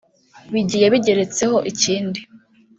bigiye bigeretseho ikindi